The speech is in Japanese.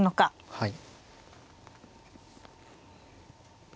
はい。